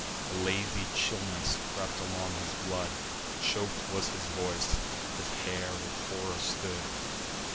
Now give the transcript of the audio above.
A lazy chillness crept along his blood; Chok'd was his voice; his hair with horror stood.